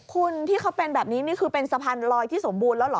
คุณที่เขาเป็นแบบนี้นี่คือเป็นสะพานลอยที่สมบูรณ์แล้วเหรอ